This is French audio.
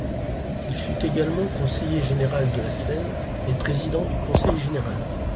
Il fut également conseiller général de la Seine et président du conseil général.